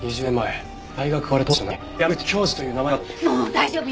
大丈夫？